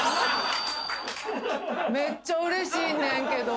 めっちゃうれしいねんけど。